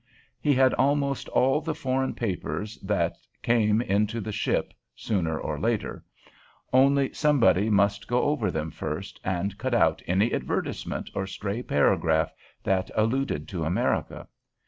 He had almost all the foreign papers that came into the ship, sooner or later; only somebody must go over them first, and cut out any advertisement or stray paragraph that alluded to America.